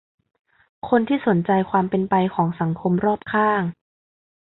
คนที่สนใจความเป็นไปของสังคมรอบข้าง